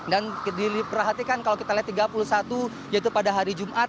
dan diperhatikan kalau kita lihat tiga puluh satu yaitu pada hari jumat